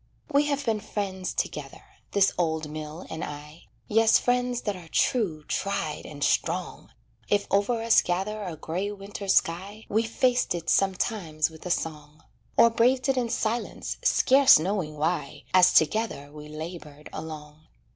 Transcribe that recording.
We have been friends together, this old mill and I, Yes, friends that are true, tried, and strong; If over us gather a gray winter sky We faced it sometimes with a song, Or braved it in silence, scarce knowing why, As together we labored along.